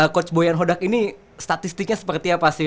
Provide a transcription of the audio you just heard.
coach boyan hodak ini statistiknya seperti apa sih